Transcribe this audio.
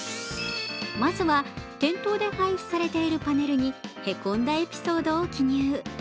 まずは、店頭で配布されているパネルにへこんだエピソードを記入。